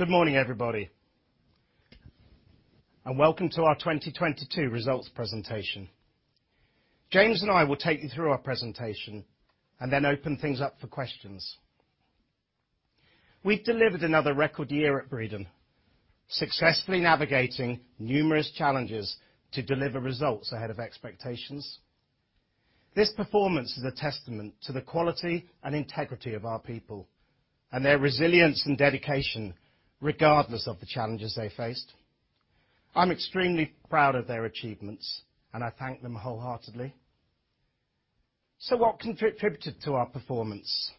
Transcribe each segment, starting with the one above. Good morning, everybody, welcome to our 2022 results presentation. James and I will take you through our presentation then open things up for questions. We've delivered another record year at Breedon, successfully navigating numerous challenges to deliver results ahead of expectations. This performance is a testament to the quality and integrity of our people and their resilience and dedication, regardless of the challenges they faced. I'm extremely proud of their achievements, I thank them wholeheartedly. What contributed to our performance?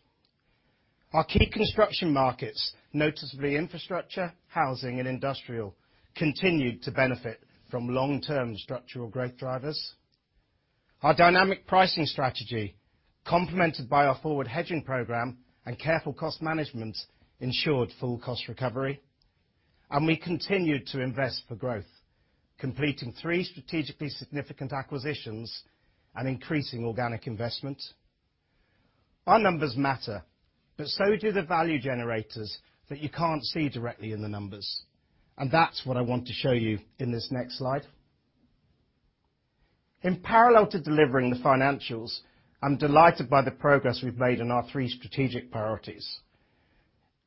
Our key construction markets, noticeably infrastructure, housing, and industrial, continued to benefit from long-term structural growth drivers. Our dynamic pricing strategy, complemented by our forward hedging program and careful cost management, ensured full cost recovery. We continued to invest for growth, completing three strategically significant acquisitions and increasing organic investment. Our numbers matter, but so do the value generators that you can't see directly in the numbers, that's what I want to show you in this next slide. In parallel to delivering the financials, I'm delighted by the progress we've made in our three strategic priorities.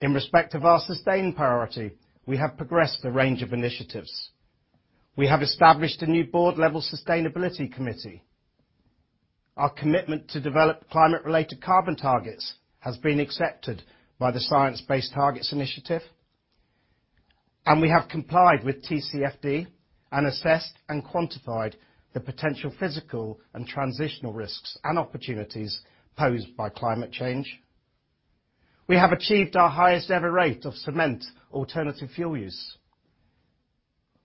In respect of our sustain priority, we have progressed a range of initiatives. We have established a new board-level sustainability committee. Our commitment to develop climate-related carbon targets has been accepted by the science-based targets initiative. We have complied with TCFD and assessed and quantified the potential physical and transitional risks and opportunities posed by climate change. We have achieved our highest-ever rate of cement alternative fuel use.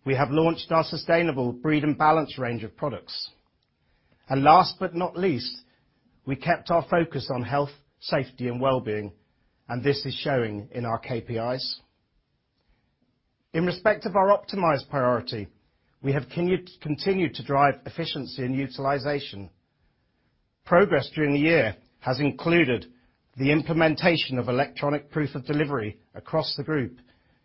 We have launched our sustainable Breedon Balance range of products. Last but not least, we kept our focus on health, safety, and wellbeing, and this is showing in our KPIs. In respect of our optimized priority, we have continued to drive efficiency and utilization. Progress during the year has included the implementation of electronic proof of delivery across the group,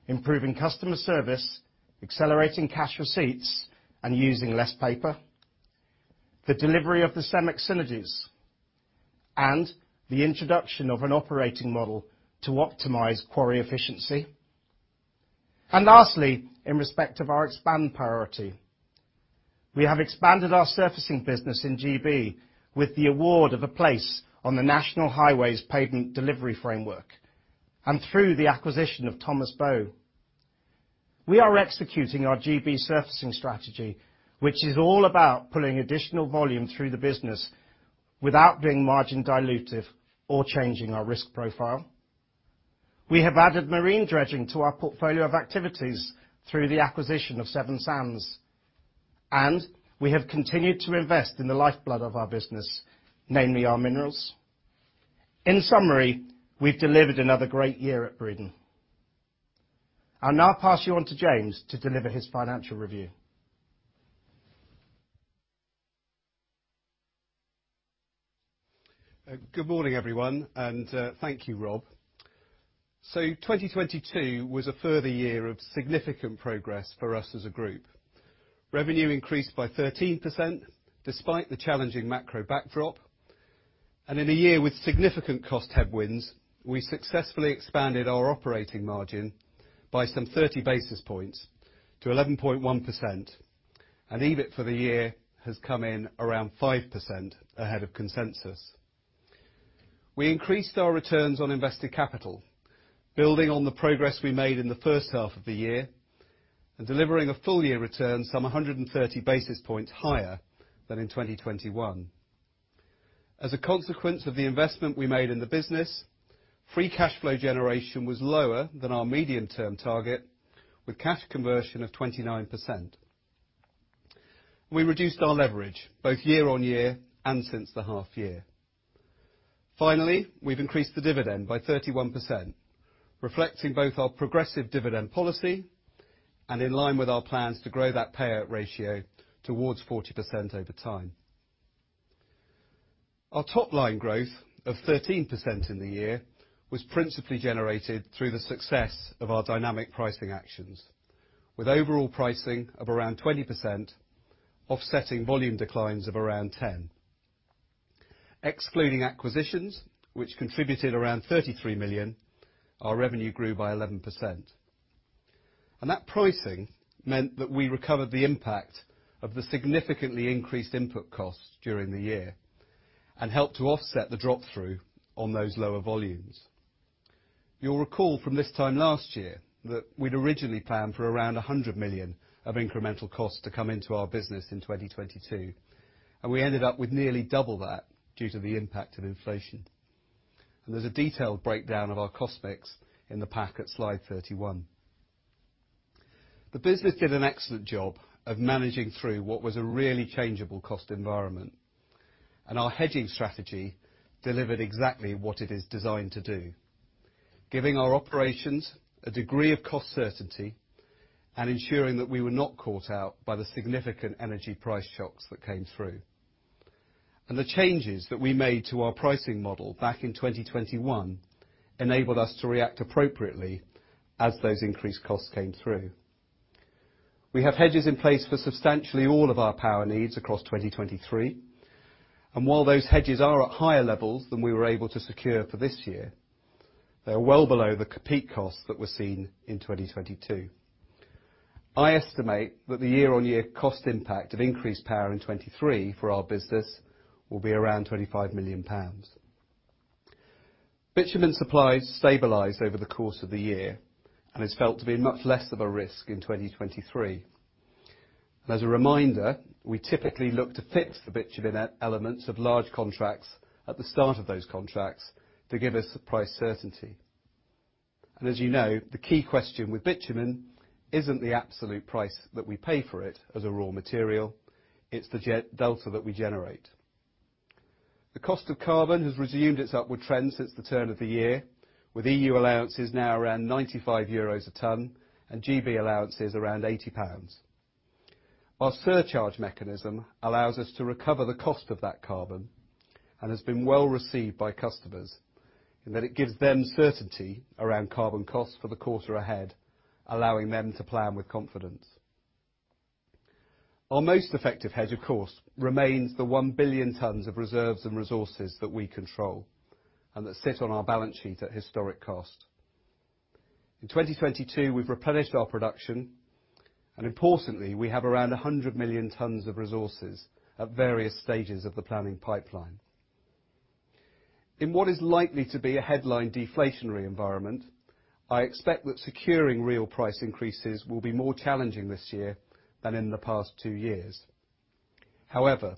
improving customer service, accelerating cash receipts, and using less paper. The delivery of the Cemex synergies and the introduction of an operating model to optimize quarry efficiency. Lastly, in respect of our expand priority, we have expanded our surfacing business in GB with the award of a place on the National Highways Pavement Delivery Framework and through the acquisition of Thomas Bow. We are executing our GB surfacing strategy, which is all about pulling additional volume through the business without being margin dilutive or changing our risk profile. We have added marine dredging to our portfolio of activities through the acquisition of Severn Sands. We have continued to invest in the lifeblood of our business, namely our minerals. In summary, we've delivered another great year at Breedon. I'll now pass you on to James to deliver his financial review. Good morning, everyone, thank you, Rob. 2022 was a further year of significant progress for us as a group. Revenue increased by 13% despite the challenging macro backdrop. In a year with significant cost headwinds, we successfully expanded our operating margin by some 30 basis points to 11.1%. EBIT for the year has come in around 5% ahead of consensus. We increased our returns on invested capital, building on the progress we made in the first half of the year and delivering a full year return some 130 basis points higher than in 2021. As a consequence of the investment we made in the business, free cash flow generation was lower than our medium-term target with cash conversion of 29%. We reduced our leverage both year-on-year and since the half year. Finally, we've increased the dividend by 31%, reflecting both our progressive dividend policy and in line with our plans to grow that payout ratio towards 40% over time. Our top-line growth of 13% in the year was principally generated through the success of our dynamic pricing actions, with overall pricing of around 20% offsetting volume declines of around 10%. Excluding acquisitions, which contributed around 33 million, our revenue grew by 11%. That pricing meant that we recovered the impact of the significantly increased input costs during the year and helped to offset the drop-through on those lower volumes. You'll recall from this time last year that we'd originally planned for around 100 million of incremental costs to come into our business in 2022. We ended up with nearly double that due to the impact of inflation. There's a detailed breakdown of our cost mix in the pack at slide 31. The business did an excellent job of managing through what was a really changeable cost environment, and our hedging strategy delivered exactly what it is designed to do, giving our operations a degree of cost certainty and ensuring that we were not caught out by the significant energy price shocks that came through. The changes that we made to our pricing model back in 2021 enabled us to react appropriately as those increased costs came through. We have hedges in place for substantially all of our power needs across 2023, and while those hedges are at higher levels than we were able to secure for this year, they are well below the peak costs that were seen in 2022. I estimate that the year-on-year cost impact of increased power in 2023 for our business will be around 25 million pounds. Bitumen supplies stabilized over the course of the year and is felt to be much less of a risk in 2023. As a reminder, we typically look to fix the bitumen e-elements of large contracts at the start of those contracts to give us price certainty. As you know, the key question with bitumen isn't the absolute price that we pay for it as a raw material, it's the gen-delta that we generate. The cost of carbon has resumed its upward trend since the turn of the year, with EU allowances now around 95 euros a ton and GB allowances around 80 pounds. Our surcharge mechanism allows us to recover the cost of that carbon and has been well-received by customers in that it gives them certainty around carbon costs for the quarter ahead, allowing them to plan with confidence. Our most effective hedge, of course, remains the 1 billion tons of reserves and resources that we control and that sit on our balance sheet at historic cost. In 2022, we've replenished our production, and importantly, we have around 100 million tons of resources at various stages of the planning pipeline. In what is likely to be a headline deflationary environment, I expect that securing real price increases will be more challenging this year than in the past two years. However,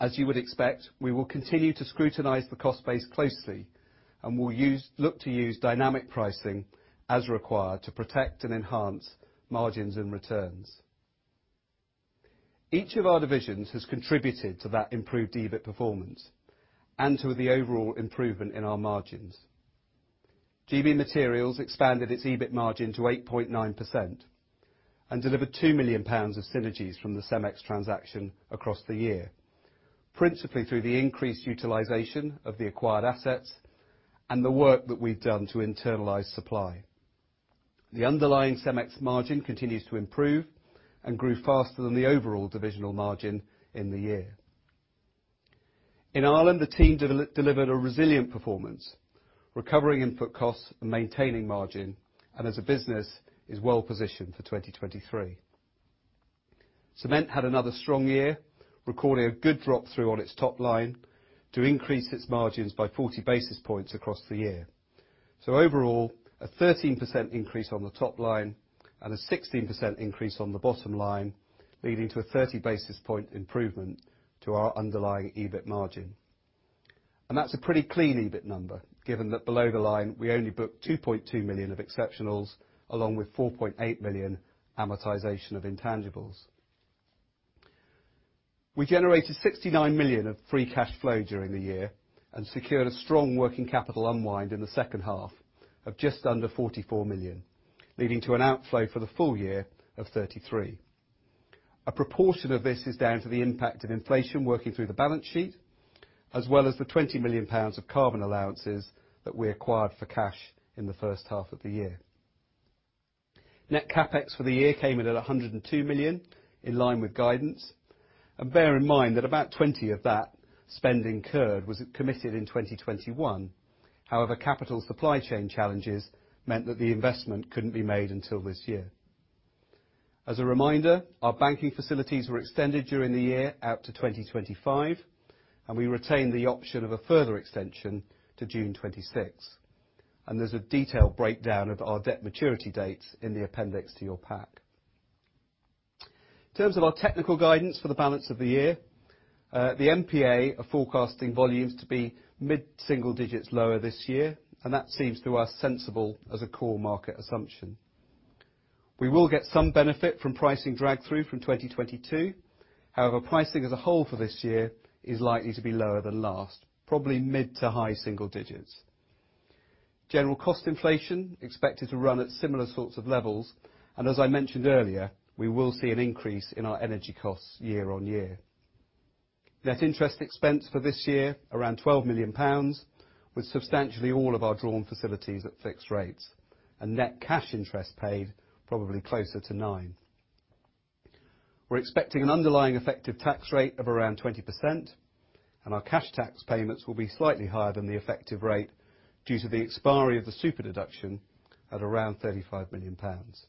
as you would expect, we will continue to scrutinize the cost base closely and will look to use dynamic pricing as required to protect and enhance margins and returns. Each of our divisions has contributed to that improved EBIT performance and to the overall improvement in our margins. GB materials expanded its EBIT margin to 8.9% and delivered 2 million pounds of synergies from the Cemex transaction across the year, principally through the increased utilization of the acquired assets and the work that we've done to internalize supply. The underlying Cemex margin continues to improve and grew faster than the overall divisional margin in the year. In Ireland, the team delivered a resilient performance, recovering input costs and maintaining margin, and as a business, is well positioned for 2023. Cement had another strong year, recording a good drop-through on its top line to increase its margins by 40 basis points across the year. Overall, a 13% increase on the top line and a 16% increase on the bottom line, leading to a 30 basis point improvement to our underlying EBIT margin. That's a pretty clean EBIT number, given that below the line, we only booked 2.2 million of exceptionals along with 4.8 million amortization of intangibles. We generated 69 million of free cash flow during the year and secured a strong working capital unwind in the second half of just under 44 million, leading to an outflow for the full year of 33 million. A proportion of this is down to the impact of inflation working through the balance sheet, as well as the 20 million pounds of carbon allowances that we acquired for cash in the first half of the year. Net CapEx for the year came in at 102 million, in line with guidance. Bear in mind that about 20 of that spend incurred was committed in 2021. However, capital supply chain challenges meant that the investment couldn't be made until this year. As a reminder, our banking facilities were extended during the year out to 2025, and we retained the option of a further extension to June 2026. There's a detailed breakdown of our debt maturity dates in the appendix to your pack. In terms of our technical guidance for the balance of the year, the MPA are forecasting volumes to be mid-single digits lower this year, and that seems to us sensible as a core market assumption. We will get some benefit from pricing drag through from 2022. However, pricing as a whole for this year is likely to be lower than last, probably mid to high single digits. General cost inflation expected to run at similar sorts of levels. As I mentioned earlier, we will see an increase in our energy costs year-on-year. Net interest expense for this year, around 12 million pounds, with substantially all of our drawn facilities at fixed rates. Net cash interest paid probably closer to 9 million. We're expecting an underlying effective tax rate of around 20%. Our cash tax payments will be slightly higher than the effective rate due to the expiry of the super-deduction at around 35 million pounds.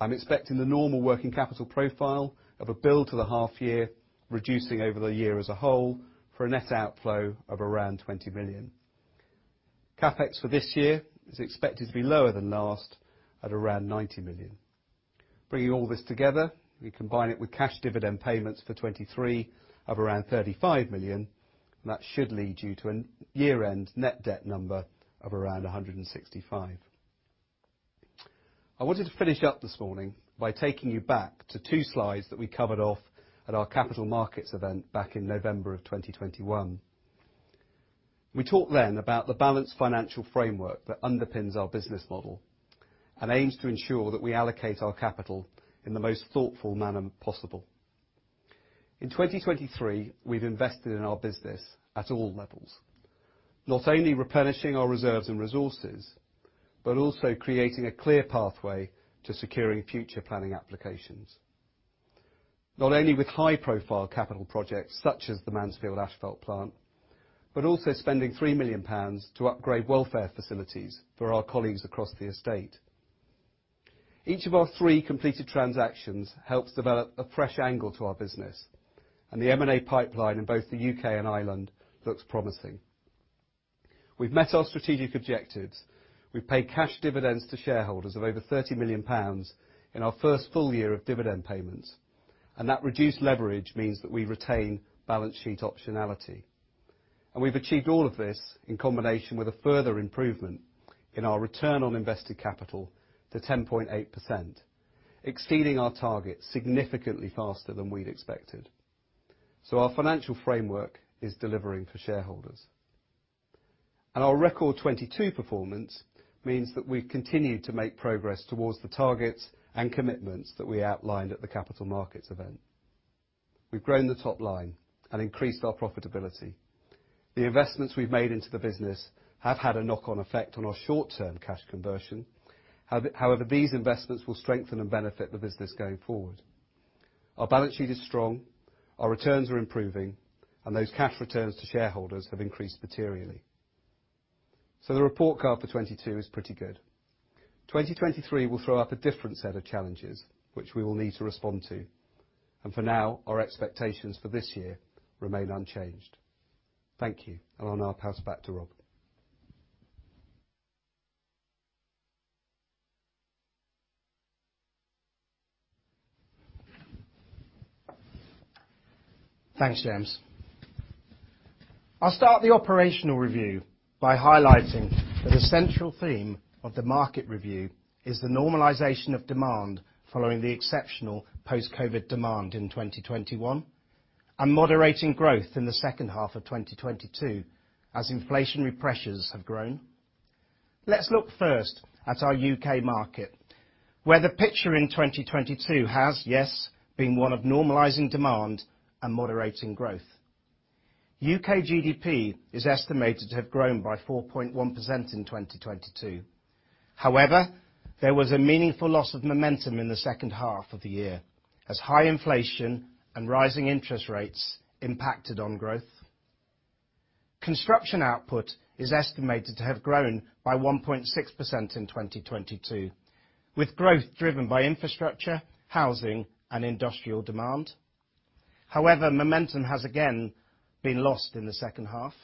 I'm expecting the normal working capital profile of a build to the half year, reducing over the year as a whole for a net outflow of around 20 million. CapEx for this year is expected to be lower than last at around 90 million. Bringing all this together, we combine it with cash dividend payments for 2023 of around 35 million. That should lead you to a year-end net debt number of around 165 million. I wanted to finish up this morning by taking you back to two slides that we covered off at our capital markets event back in November of 2021. We talked about the balanced financial framework that underpins our business model, and aims to ensure that we allocate our capital in the most thoughtful manner possible. In 2023, we've invested in our business at all levels. Not only replenishing our reserves and resources, but also creating a clear pathway to securing future planning applications. Not only with high-profile capital projects such as the Mansfield Asphalt Plant, but also spending 3 million pounds to upgrade welfare facilities for our colleagues across the estate. Each of our three completed transactions helps develop a fresh angle to our business, the M&A pipeline in both the U.K. and Ireland looks promising. We've met our strategic objectives. We've paid cash dividends to shareholders of over 30 million pounds in our first full year of dividend payments. That reduced leverage means that we retain balance sheet optionality. We've achieved all of this in combination with a further improvement in our return on invested capital to 10.8%, exceeding our target significantly faster than we'd expected. Our financial framework is delivering for shareholders. Our record 2022 performance means that we've continued to make progress towards the targets and commitments that we outlined at the capital markets event. We've grown the top line and increased our profitability. The investments we've made into the business have had a knock-on effect on our short-term cash conversion. However, these investments will strengthen and benefit the business going forward. Our balance sheet is strong, our returns are improving, and those cash returns to shareholders have increased materially. The report card for 2022 is pretty good. 2023 will throw up a different set of challenges which we will need to respond to. For now, our expectations for this year remain unchanged. Thank you. I'll now pass back to Rob. Thanks, James. I'll start the operational review by highlighting that the central theme of the market review is the normalization of demand following the exceptional post-COVID demand in 2021, and moderating growth in the second half of 2022 as inflationary pressures have grown. Let's look first at our U.K. market, where the picture in 2022 has, yes, been one of normalizing demand and moderating growth. U.K. GDP is estimated to have grown by 4.1% in 2022. There was a meaningful loss of momentum in the second half of the year as high inflation and rising interest rates impacted on growth. Construction output is estimated to have grown by 1.6% in 2022, with growth driven by infrastructure, housing, and industrial demand. Momentum has again been lost in the second half.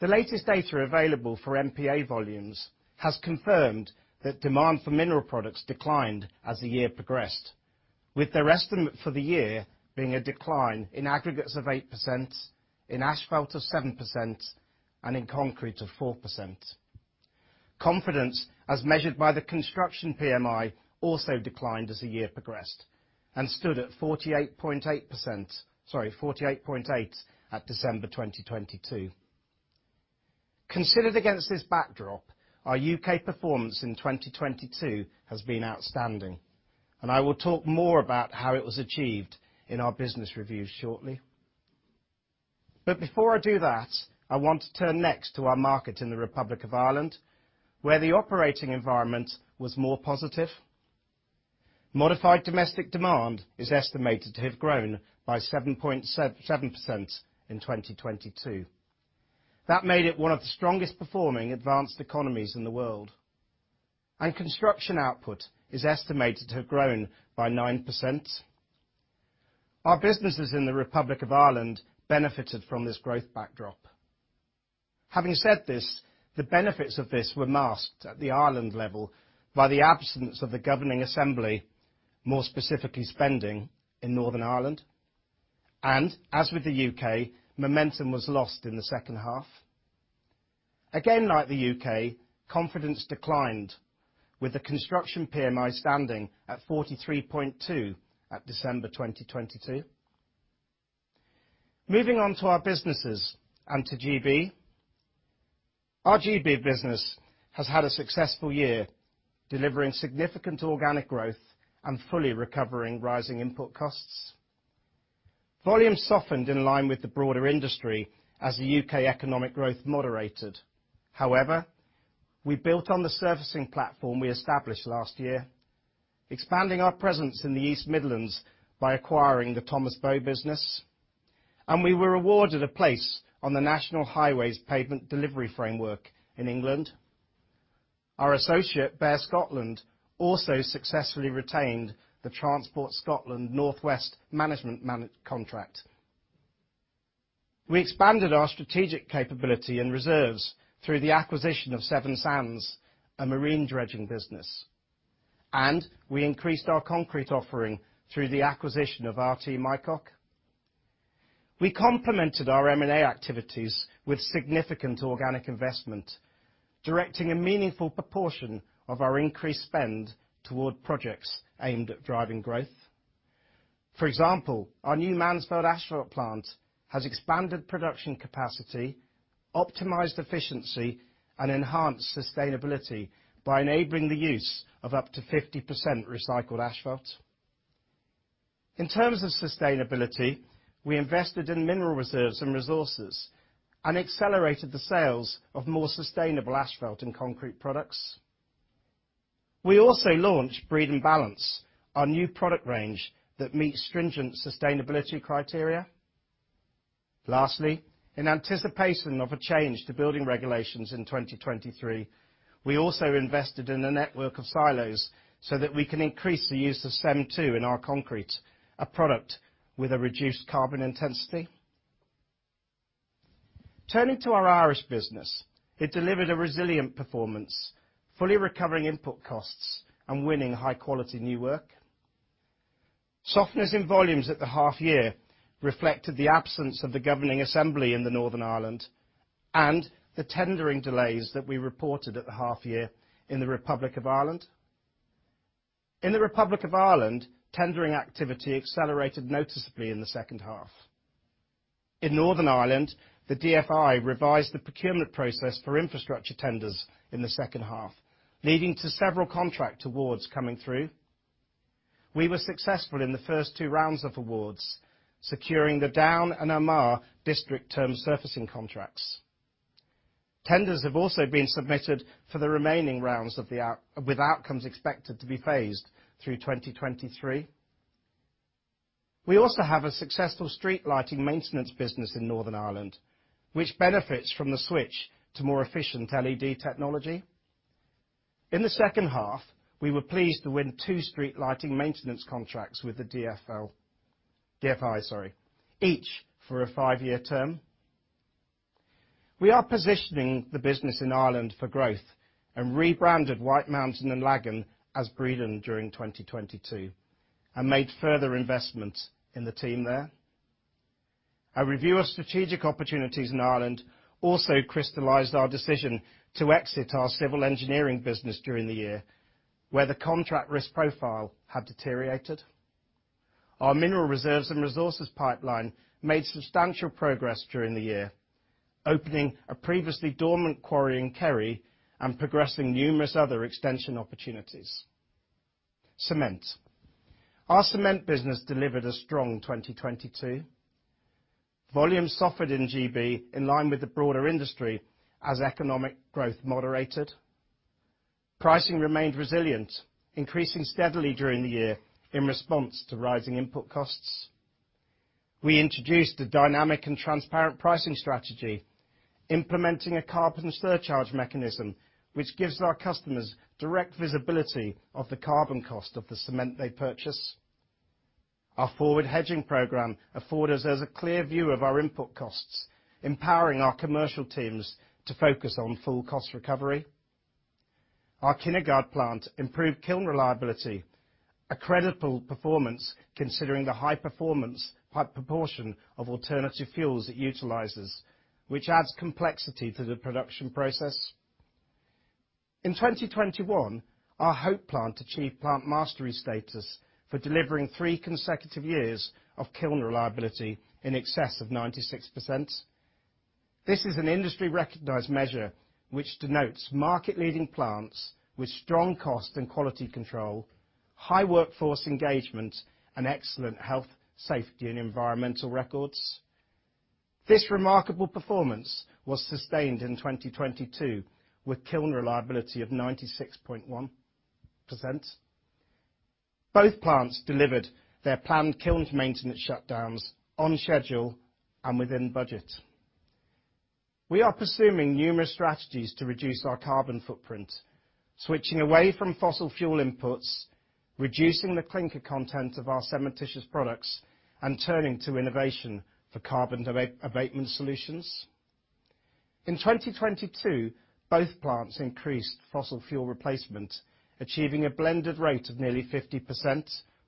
The latest data available for MPA volumes has confirmed that demand for mineral products declined as the year progressed, with their estimate for the year being a decline in aggregates of 8%, in asphalt of 7%, and in concrete of 4%. Confidence as measured by the construction PMI also declined as the year progressed and stood at 48.8 at December 2022. Considered against this backdrop, our U.K. performance in 2022 has been outstanding. I will talk more about how it was achieved in our business review shortly. Before I do that, I want to turn next to our market in the Republic of Ireland, where the operating environment was more positive. Modified domestic demand is estimated to have grown by 7% in 2022. That made it one of the strongest performing advanced economies in the world. Construction output is estimated to have grown by 9%. Our businesses in the Republic of Ireland benefited from this growth backdrop. Having said this, the benefits of this were masked at the Ireland level by the absence of the governing assembly, more specifically spending in Northern Ireland. As with the U.K., momentum was lost in the second half. Again, like the U.K., confidence declined, with the construction PMI standing at 43.2 at December 2022. Moving on to our businesses and to GB. Our GB business has had a successful year, delivering significant organic growth and fully recovering rising input costs. Volume softened in line with the broader industry as the U.K. economic growth moderated. However, we built on the servicing platform we established last year, expanding our presence in the East Midlands by acquiring the Thomas Bow business, and we were awarded a place on the National Highways Pavement Delivery Framework in England. Our associate, BEAR Scotland, also successfully retained the Transport Scotland North West management managed contract. We expanded our strategic capability and reserves through the acquisition of Severn Sands, and marine dredging business. We increased our concrete offering through the acquisition of RT Mycock. We complemented our M&A activities with significant organic investment, directing a meaningful proportion of our increased spend toward projects aimed at driving growth. For example, our new Mansfield Asphalt Plant has expanded production capacity, optimized efficiency, and enhanced sustainability by enabling the use of up to 50% recycled asphalt. In terms of sustainability, we invested in mineral reserves and resources, and accelerated the sales of more sustainable asphalt and concrete products. We also launched Breedon Balance, our new product range that meets stringent sustainability criteria. Lastly, in anticipation of a change to building regulations in 2023, we also invested in a network of silos so that we can increase the use of CEM II in our concrete, a product with a reduced carbon intensity. Turning to our Irish business, it delivered a resilient performance, fully recovering input costs, and winning high-quality new work. Softness in volumes at the half year reflected the absence of the governing assembly in Northern Ireland, and the tendering delays that we reported at the half year in the Republic of Ireland. In the Republic of Ireland, tendering activity accelerated noticeably in the second half. In Northern Ireland, the DFI revised the procurement process for infrastructure tenders in the second half, leading to several contract awards coming through. We were successful in the first two rounds of awards, securing the Down and Armagh District Term Surfacing contracts. Tenders have also been submitted for the remaining rounds with outcomes expected to be phased through 2023. We also have a successful street lighting maintenance business in Northern Ireland, which benefits from the switch to more efficient LED technology. In the second half, we were pleased to win two street lighting maintenance contracts with the DFI, each for a five year term. We are positioning the business in Ireland for growth and rebranded Whitemountain and Lagan as Breedon during 2022, and made further investments in the team there. Our review of strategic opportunities in Ireland also crystallized our decision to exit our civil engineering business during the year, where the contract risk profile had deteriorated. Our mineral reserves and resources pipeline made substantial progress during the year, opening a previously dormant quarrying carry and progressing numerous other extension opportunities. Cement. Our cement business delivered a strong 2022. Volume suffered in GB in line with the broader industry as economic growth moderated. Pricing remained resilient, increasing steadily during the year in response to rising input costs. We introduced a dynamic and transparent pricing strategy, implementing a carbon surcharge mechanism, which gives our customers direct visibility of the carbon cost of the cement they purchase. Our forward hedging program affords us as a clear view of our input costs, empowering our commercial teams to focus on full cost recovery. Our Kinnegad plant improved kiln reliability, a credible performance considering the high proportion of alternative fuels it utilizes, which adds complexity to the production process. In 2021, our Hope plant achieved plant mastery status for delivering three consecutive years of kiln reliability in excess of 96%. This is an industry-recognized measure which denotes market-leading plants with strong cost and quality control, high workforce engagement, and excellent health, safety, and environmental records. This remarkable performance was sustained in 2022 with kiln reliability of 96.1%. Both plants delivered their planned kiln maintenance shutdowns on schedule and within budget. We are pursuing numerous strategies to reduce our carbon footprint, switching away from fossil fuel inputs, reducing the clinker content of our cementitious products, and turning to innovation for carbon abatement solutions. In 2022, both plants increased fossil fuel replacement, achieving a blended rate of nearly 50%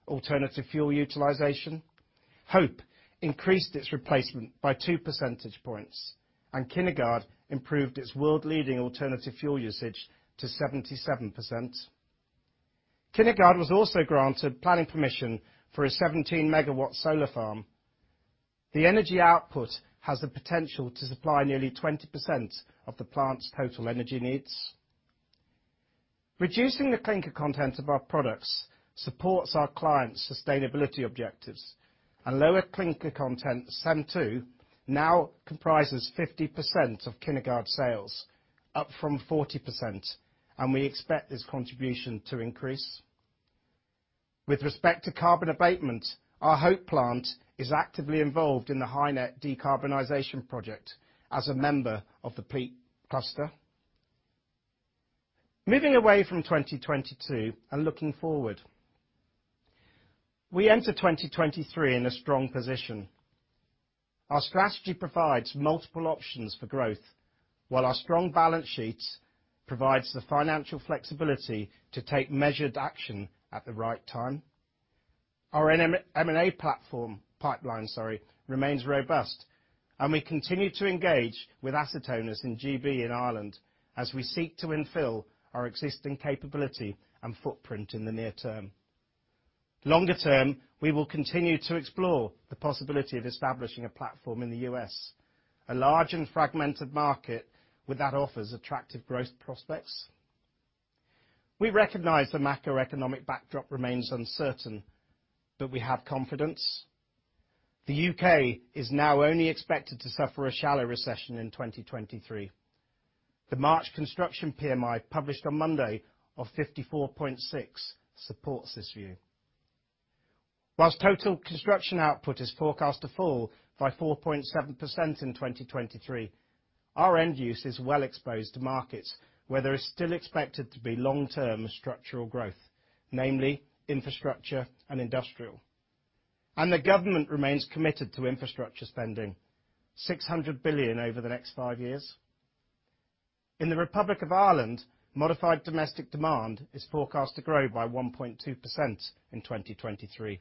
alternative fuel utilization. Hope increased its replacement by 2 percentage points. Kinnegad improved its world-leading alternative fuel usage to 77%. Kinnegad was also granted planning permission for a 17 MW solar farm. The energy output has the potential to supply nearly 20% of the plant's total energy needs. Reducing the clinker content of our products supports our clients' sustainability objectives. A lower clinker content CEM II now comprises 50% of Kinnegad sales, up from 40%. We expect this contribution to increase. With respect to carbon abatement, our Hope plant is actively involved in the HyNet decarbonization project as a member of the Peak Cluster. Moving away from 2022 and looking forward, we enter 2023 in a strong position. Our strategy provides multiple options for growth, while our strong balance sheets provides the financial flexibility to take measured action at the right time. Our M&A pipeline, sorry, remains robust. We continue to engage with asset owners in GB and Ireland as we seek to infill our existing capability and footprint in the near term. Longer term, we will continue to explore the possibility of establishing a platform in the U.S., a large and fragmented market with that offers attractive growth prospects. We recognize the macroeconomic backdrop remains uncertain. We have confidence. The U.K. is now only expected to suffer a shallow recession in 2023. The March construction PMI, published on Monday, of 54.6 supports this view. Whilst total construction output is forecast to fall by 4.7% in 2023, our end use is well exposed to markets where there is still expected to be long-term structural growth, namely infrastructure and industrial. The government remains committed to infrastructure spending, 600 billion over the next five years. In the Republic of Ireland, modified domestic demand is forecast to grow by 1.2% in 2023.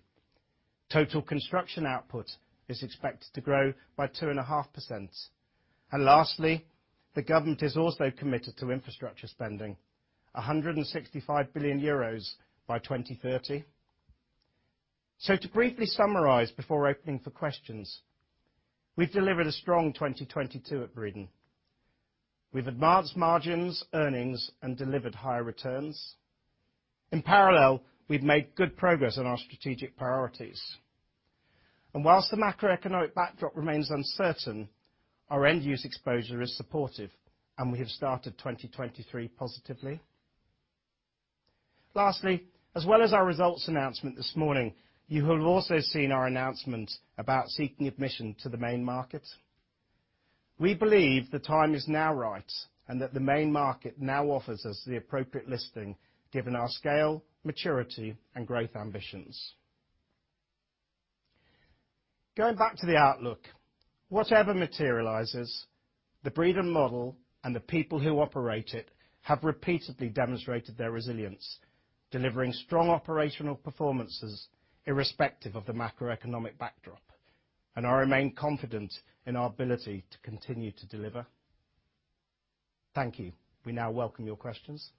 Total construction output is expected to grow by 2.5%. Lastly, the government is also committed to infrastructure spending, 165 billion euros by 2030. To briefly summarize before opening for questions, we've delivered a strong 2022 at Breedon. We've advanced margins, earnings, and delivered higher returns. In parallel, we've made good progress on our strategic priorities. Whilst the macroeconomic backdrop remains uncertain, our end-use exposure is supportive, and we have started 2023 positively. Lastly, as well as our results announcement this morning, you will have also seen our announcement about seeking admission to the main market. We believe the time is now right and that the main market now offers us the appropriate listing given our scale, maturity, and growth ambitions. Going back to the outlook, whatever materializes, the Breedon model and the people who operate it have repeatedly demonstrated their resilience, delivering strong operational performances irrespective of the macroeconomic backdrop. I remain confident in our ability to continue to deliver. Thank you. We now welcome your questions.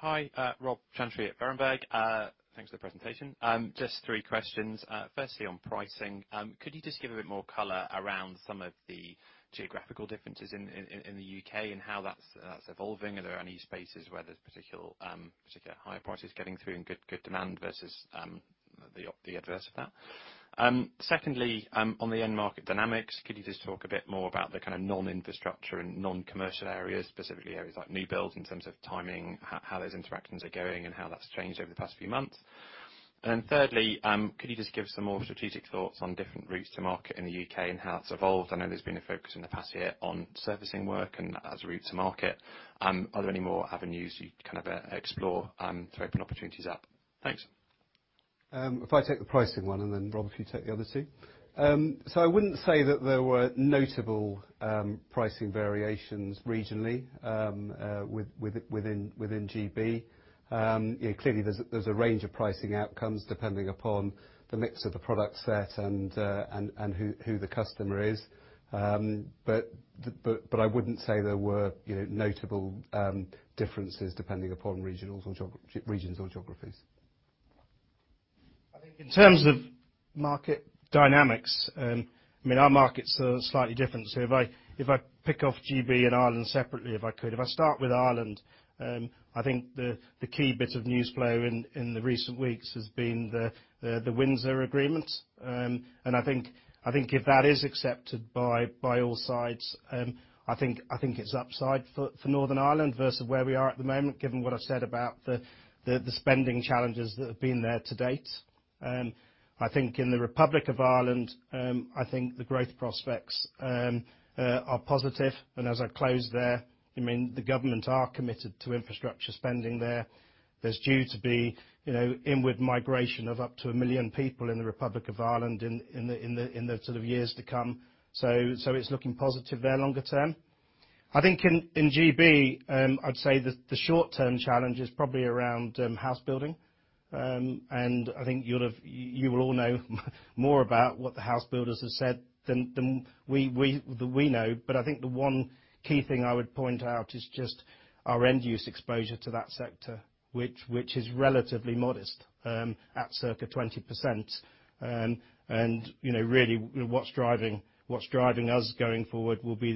Thanks. Hi, Rob Chantry at Berenberg. Thanks for the presentation. Just three questions. Firstly, on pricing, could you just give a bit more color around some of the geographical differences in the U.K. and how that's evolving? Are there any spaces where there's particular higher prices getting through and good demand versus the reverse of that? Secondly, on the end market dynamics, could you just talk a bit more about the kind of non-infrastructure and non-commercial areas, specifically areas like new builds in terms of timing, how those interactions are going and how that's changed over the past few months? Thirdly, could you just give some more strategic thoughts on different routes to market in the U.K. and how it's evolved? I know there's been a focus in the past year on servicing work and as a route to market. Are there any more avenues you'd kind of explore to open opportunities up? Thanks. If I take the pricing one, and then Rob, if you take the other two. I wouldn't say that there were notable pricing variations regionally within GB. You know, clearly there's a range of pricing outcomes depending upon the mix of the product set and who the customer is. But I wouldn't say there were, you know, notable differences depending upon regionals or geography, regions or geographies. I think in terms of market dynamics, I mean, our markets are slightly different. If I pick off GB and Ireland separately, if I could. If I start with Ireland, I think the key bit of news flow in the recent weeks has been the Windsor agreements. I think if that is accepted by all sides, I think it's upside for Northern Ireland versus where we are at the moment, given what I said about the spending challenges that have been there to date. I think in the Republic of Ireland, I think the growth prospects are positive. As I close there, I mean, the government are committed to infrastructure spending there. There's due to be, you know, inward migration of up to a million people in the Republic of Ireland in the sort of years to come. It's looking positive there longer term. I think in GB, I'd say the short-term challenge is probably around house building. I think you will all know more about what the house builders have said than we know. I think the one key thing I would point out is just our end-use exposure to that sector, which is relatively modest, at circa 20%. you know, really what's driving us going forward will be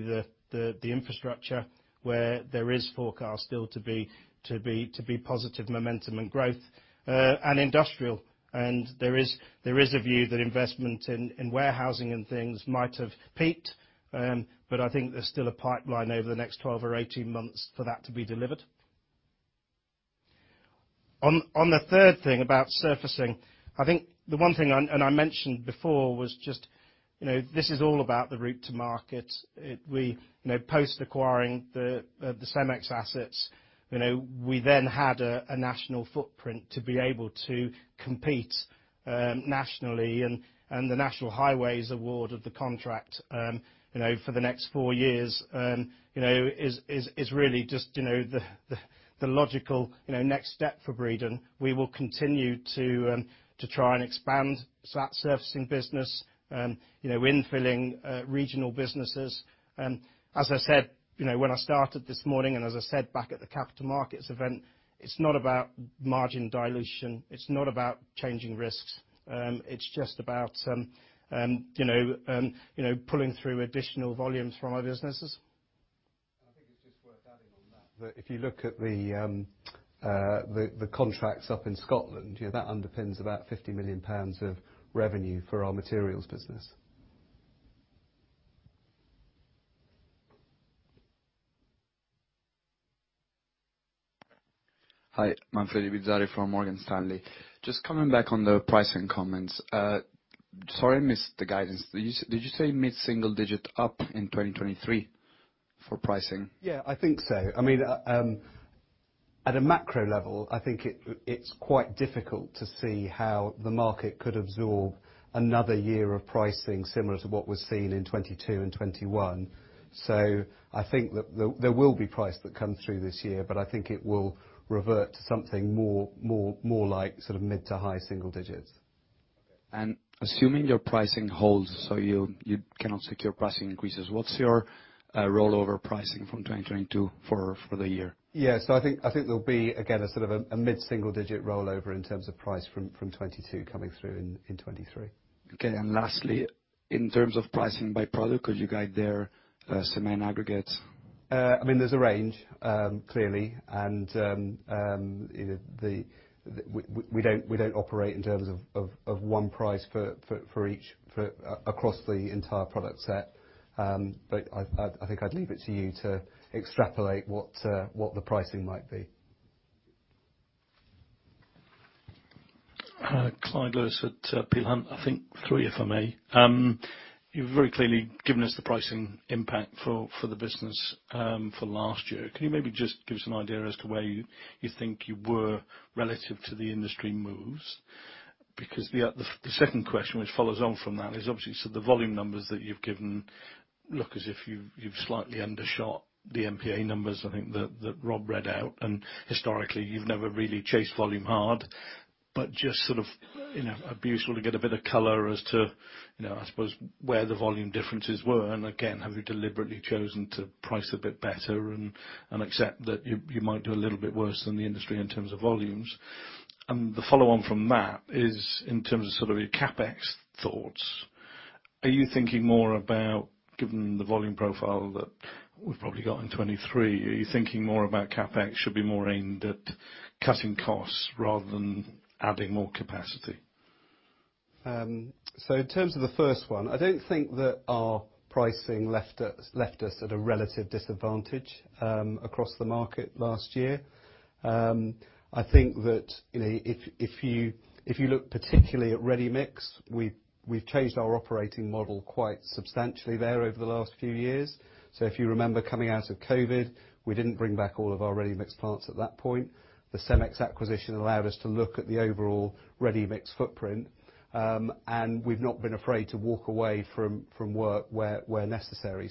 the infrastructure where there is forecast still to be positive momentum and growth, and industrial. there is a view that investment in warehousing and things might have peaked. I think there's still a pipeline over the next 12 or 18 months for that to be delivered. On the third thing about surfacing, I think the one thing, and I mentioned before, was just, this is all about the route to market. Post acquiring the Cemex assets, we then had a national footprint to be able to compete nationally, and the National Highways awarded the contract for the next four years, is really just the logical next step for Breedon. We will continue to try and expand that surfacing business, infilling regional businesses. As I said, you know, when I started this morning, and as I said back at the capital markets event, it's not about margin dilution, it's not about changing risks, it's just about, you know, pulling through additional volumes from our businesses. I think it's just worth adding on that if you look at the contracts up in Scotland, you know, that underpins about 50 million pounds of revenue for our materials business. Hi, Manfredi Bizzarri from Morgan Stanley. Just coming back on the pricing comments. Sorry I missed the guidance. Did you say mid-single digit up in 2023 for pricing? Yeah, I think so. I mean, at a macro level, I think it's quite difficult to see how the market could absorb another year of pricing similar to what was seen in 2022 and 2021. I think that there will be price that comes through this year, but I think it will revert to something more like sort of mid-to-high single digits. Assuming your pricing holds, so you cannot secure pricing increases, what's your rollover pricing from 2022 for the year? Yes. I think there'll be, again, a sort of a mid-single digit rollover in terms of price from 2022 coming through in 2023. Okay. Lastly, in terms of pricing by product, could you guide their cement aggregates? I mean, there's a range, clearly, we don't operate in terms of one price for across the entire product set. I think I'd leave it to you to extrapolate what the pricing might be. Hi, Clyde Lewis at Peel Hunt. I think three, if I may. You've very clearly given us the pricing impact for the business for last year. Can you maybe just give us an idea as to where you think you were relative to the industry moves? The second question, which follows on from that, is obviously, so the volume numbers that you've given look as if you've slightly undershot the MPA numbers, I think, that Rob read out. Historically, you've never really chased volume hard, but just sort of, you know, it'd be useful to get a bit of color as to, you know, I suppose, where the volume differences were. Again, have you deliberately chosen to price a bit better and accept that you might do a little bit worse than the industry in terms of volumes? The follow on from that is in terms of sort of your CapEx thoughts, are you thinking more about, given the volume profile that we've probably got in 23, are you thinking more about CapEx should be more aimed at cutting costs rather than adding more capacity? In terms of the first one, I don't think that our pricing left us at a relative disadvantage across the market last year. I think that, you know, if you look particularly at ready-mix, we've changed our operating model quite substantially there over the last few years. If you remember coming out of COVID, we didn't bring back all of our ready-mix plants at that point. The Cemex acquisition allowed us to look at the overall ready-mix footprint, and we've not been afraid to walk away from work where necessary.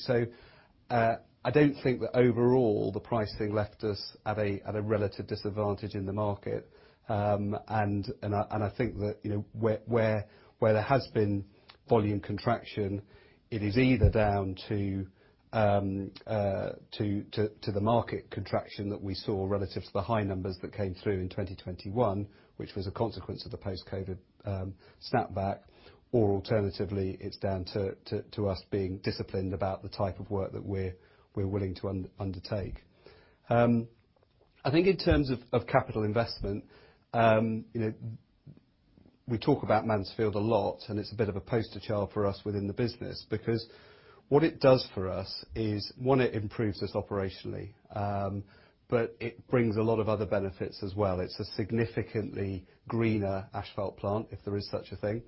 I don't think that overall, the pricing left us at a relative disadvantage in the market. I think that, you know, where has been volume contraction, it is either down to the market contraction that we saw relative to the high numbers that came through in 2021, which was a consequence of the post-COVID snapback, or alternatively, it's down to us being disciplined about the type of work that we're willing to undertake. I think in terms of capital investment, you know, we talk about Mansfield a lot. It's a bit of a poster child for us within the business, because what it does for us is, one, it improves us operationally. It brings a lot of other benefits as well. It's a significantly greener asphalt plant, if there is such a thing.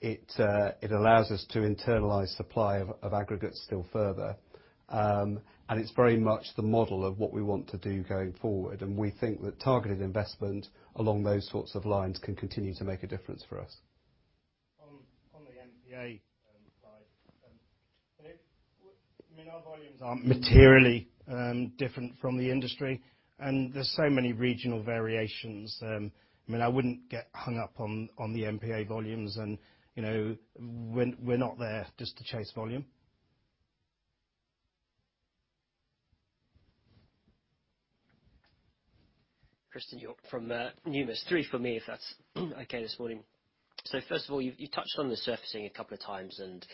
It allows us to internalize supply of aggregates still further. It's very much the model of what we want to do going forward. We think that targeted investment along those sorts of lines can continue to make a difference for us. On the MPA our volumes aren't materially different from the industry, and there's so many regional variations. I mean, I wouldn't get hung up on the MPA volumes and, you know, we're not there just to chase volume. Christen Hjorth from Numis. Three for me, if that's okay this morning. First of all, you touched on the surfacing a couple of times and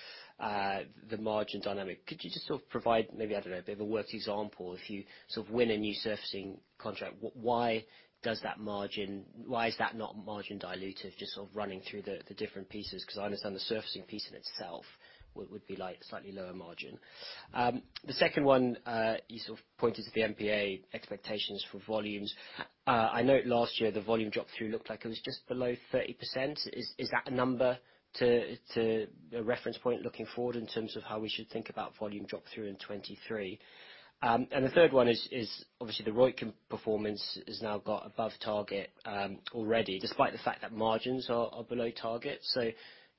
the margin dynamic. Could you just sort of provide maybe, I don't know, a bit of a worked example? If you sort of win a new surfacing contract, why does that margin, why is that not margin dilutive, just sort of running through the different pieces? 'Cause I understand the surfacing piece in itself would be, like, slightly lower margin. The second one, you sort of pointed to the MPA expectations for volumes. I know last year the volume drop through looked like it was just below 30%. Is that a number to a reference point looking forward in terms of how we should think about volume drop through in 2023? The third one is obviously the ROIC performance has now got above target already, despite the fact that margins are below target.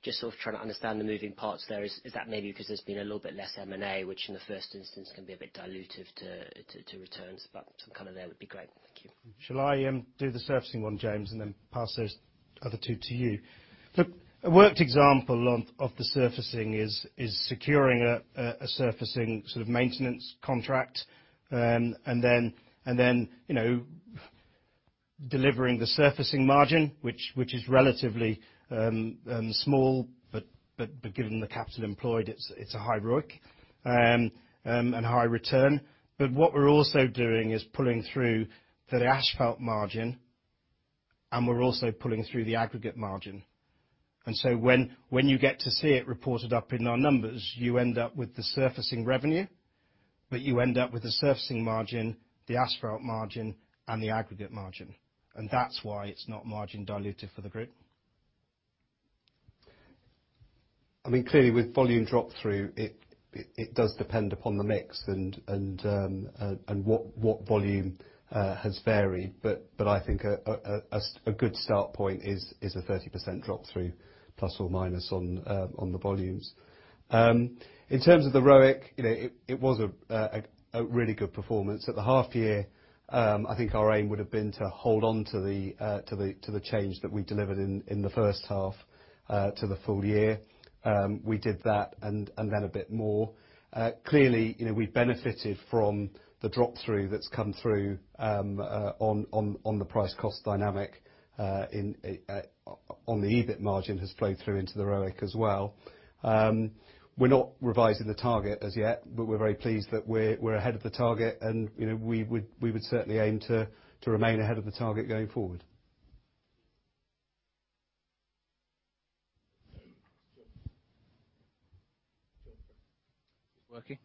Just sort of trying to understand the moving parts there. Is that maybe because there's been a little bit less M&A, which in the first instance can be a bit dilutive to returns, but some color there would be great. Thank you. Shall I do the surfacing one, James, and then pass those other two to you? Look, a worked example of the surfacing is securing a surfacing sort of maintenance contract. And then, you know, delivering the surfacing margin, which is relatively small. Given the capital employed, it's a high ROIC and high return. What we're also doing is pulling through the asphalt margin, and we're also pulling through the aggregate margin. When you get to see it reported up in our numbers, you end up with the surfacing revenue, but you end up with the surfacing margin, the asphalt margin, and the aggregate margin. That's why it's not margin dilutive for the group. I mean, clearly with volume drop through, it does depend upon the mix and what volume has varied. I think a good start point is a 30% drop through, plus or minus on the volumes. In terms of the ROIC, you know, it was a really good performance. At the half year, I think our aim would have been to hold on to the change that we delivered in the first half, to the full year. We did that and then a bit more. Clearly, you know, we benefited from the drop through that's come through, on the price cost dynamic, in on the EBIT margin has flowed through into the ROIC as well. We're not revising the target as yet, but we're very pleased that we're ahead of the target. You know, we would certainly aim to remain ahead of the target going forward. Working?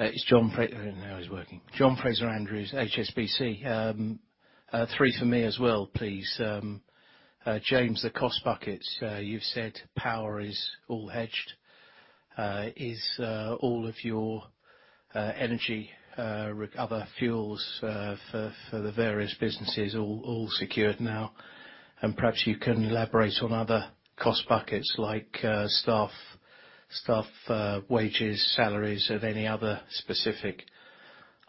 It's John Fraser now it's working. John Fraser-Andrews, HSBC. three for me as well, please. James, the cost buckets, you've said power is all hedged. is all of your energy, other fuels, for the various businesses all secured now? Perhaps you can elaborate on other cost buckets like staff wages, salaries of any other specific items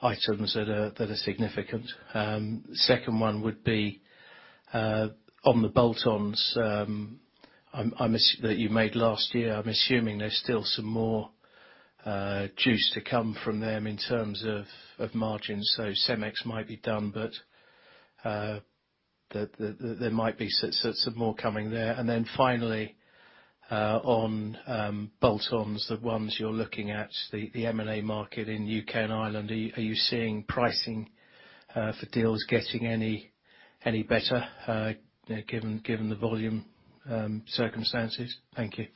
that are significant. econd one would be on the bolt-ons, I'm assuming that you made last year, I'm assuming there's still some more juice to come from them in terms of margins. Cemex might be done, but there might be some more coming there. Finally, on bolt-ons, the ones you're looking at, the M&A market in U.K. and Ireland, are you seeing pricing for deals getting any better, you know, given the volume, circumstances? Thank you.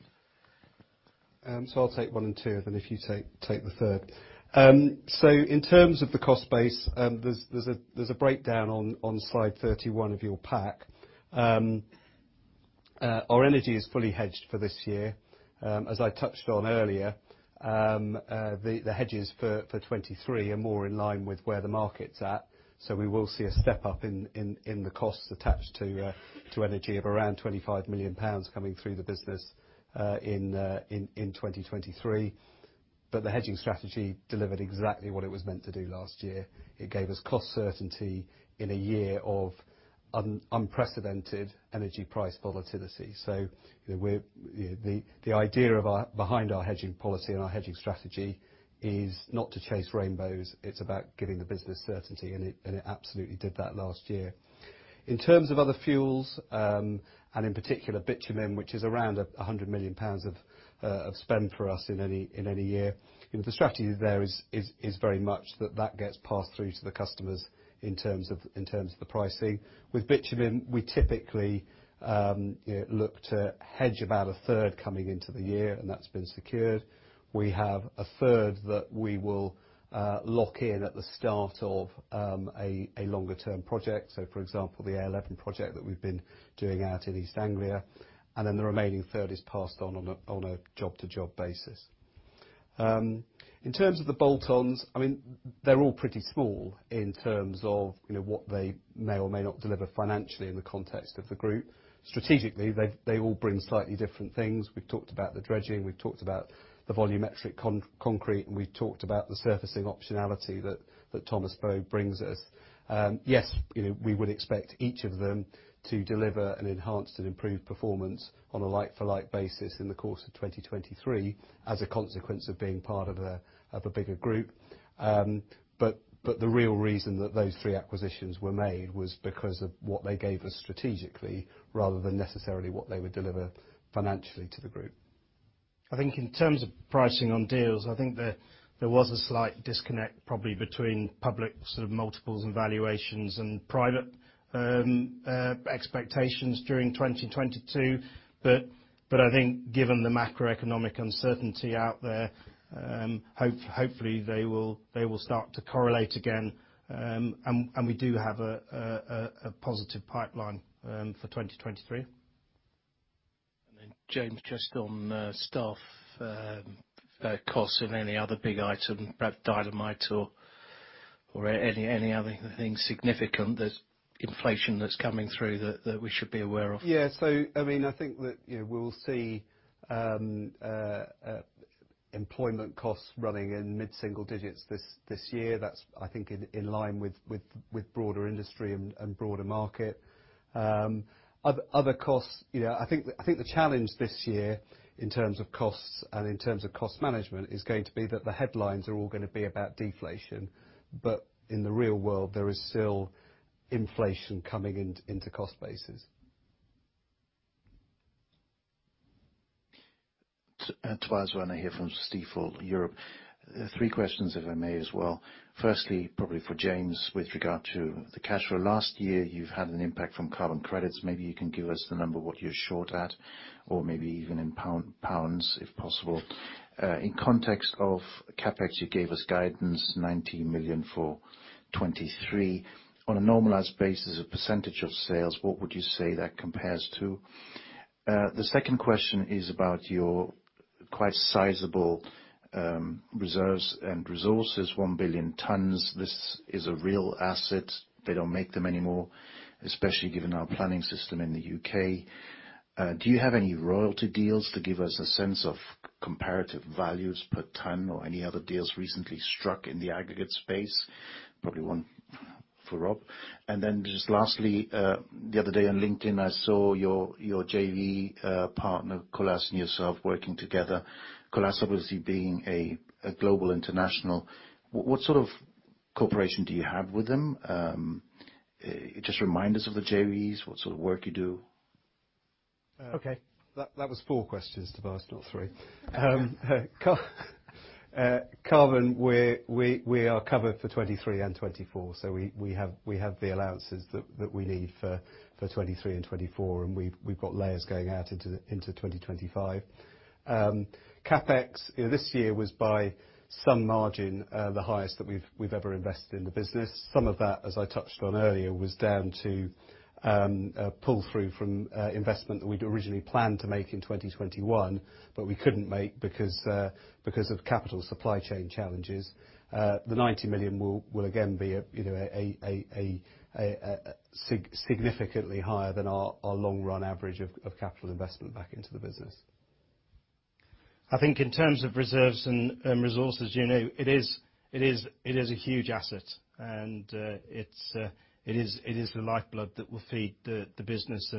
I'll take one and two, and then if you take the third. In terms of the cost base, there's a breakdown on slide 31 of your pack. Our energy is fully hedged for this year. As I touched on earlier, the hedges for 2023 are more in line with where the market's at, so we will see a step up in the costs attached to energy of around 25 million pounds coming through the business in 2023. The hedging strategy delivered exactly what it was meant to do last year. It gave us cost certainty in a year of unprecedented energy price volatility. We're the idea behind our hedging policy and our hedging strategy is not to chase rainbows, it's about giving the business certainty, and it absolutely did that last year. In terms of other fuels, and in particular bitumen, which is around 100 million pounds of spend for us in any year, you know, the strategy there is very much that that gets passed through to the customers in terms of the pricing. With bitumen, we typically look to hedge about a third coming into the year, and that's been secured. We have a third that we will lock in at the start of a longer term project. For example, the A11 project that we've been doing out in East Anglia, and then the remaining third is passed on a job-to-job basis. In terms of the bolt-ons, I mean, they're all pretty small in terms of, you know, what they may or may not deliver financially in the context of the group. Strategically, they all bring slightly different things. We've talked about the dredging, we've talked about the volumetric concrete, and we've talked about the surfacing optionality that Thomas Bow brings us. Yes, you know, we would expect each of them to deliver an enhanced and improved performance on a like-for-like basis in the course of 2023 as a consequence of being part of a bigger group. The real reason that those three acquisitions were made was because of what they gave us strategically rather than necessarily what they would deliver financially to the group. I think in terms of pricing on deals, I think there was a slight disconnect probably between public sort of multiples and valuations and private expectations during 2022. I think given the macroeconomic uncertainty out there, hopefully they will start to correlate again. We do have a positive pipeline for 2023. James, just on staff costs and any other big item, perhaps dynamite or any other things significant that inflation that's coming through that we should be aware of? I mean, I think that, you know, we'll see employment costs running in mid-single digits this year. That's I think in line with broader industry and broader market. Other costs, you know, I think the challenge this year in terms of costs and in terms of cost management is going to be that the headlines are all gonna be about deflation. In the real world, there is still inflation coming into cost bases. Tobias Woerner here from Stifel Europe. Three questions, if I may, as well. Firstly, probably for James, with regard to the cash flow. Last year, you've had an impact from carbon credits. Maybe you can give us the number what you're short at, or maybe even in pounds, if possible. In context of CapEx, you gave us guidance, 19 million for 2023. On a normalized basis, a percentage of sales, what would you say that compares to? The second question is about your quite sizable reserves and resources, 1 billion tons. This is a real asset. They don't make them anymore, especially given our planning system in the U.K. Do you have any royalty deals to give us a sense of comparative values per ton or any other deals recently struck in the aggregate space? Probably one for Rob. Just lastly, the other day on LinkedIn, I saw your JV partner, Colas, and yourself working together. Colas obviously being a global international. What sort of cooperation do you have with them? Just remind us of the JVs, what sort of work you do? Okay. That was four questions, Tobias, not 3. Carbon, we are covered for 2023 and 2024, we have the allowances that we need for 2023 and 2024, we've got layers going out into 2025. CapEx, you know, this year was by some margin the highest that we've ever invested in the business. Some of that, as I touched on earlier, was down to pull through from investment that we'd originally planned to make in 2021, we couldn't make because of capital supply chain challenges. The 90 million will again be, you know, significantly higher than our long-run average of capital investment back into the business. I think in terms of reserves and resources, you know, it is a huge asset, it is the lifeblood that will feed the business.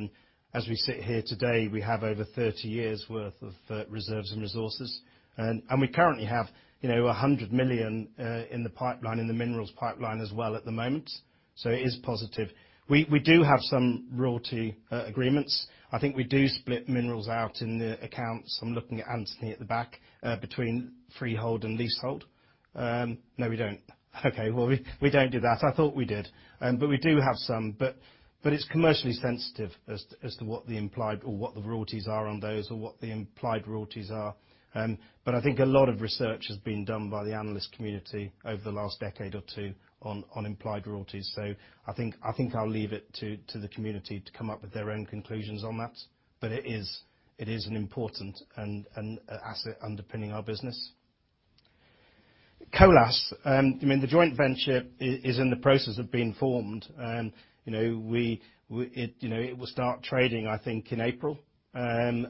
As we sit here today, we have over 30 years worth of reserves and resources. We currently have, you know, 100 million in the pipeline, in the minerals pipeline as well at the moment. It is positive. We do have some royalty agreements. I think we do split minerals out in the accounts, I'm looking at Anthony at the back, between freehold and leasehold. No, we don't. Okay, well, we don't do that. I thought we did. We do have some, but it's commercially sensitive as to what the implied or what the royalties are on those or what the implied royalties are. I think a lot of research has been done by the analyst community over the last decade or two on implied royalties. I think I'll leave it to the community to come up with their own conclusions on that. It is an important and an asset underpinning our business. Colas, I mean, the joint venture is in the process of being formed. You know, we, it, you know, it will start trading, I think, in April. You